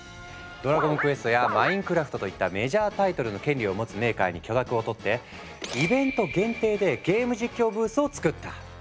「ドラゴンクエスト」や「マインクラフト」といったメジャータイトルの権利を持つメーカーに許諾を取ってイベント限定でゲーム実況ブースを作った。